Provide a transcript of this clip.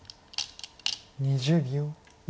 ２０秒。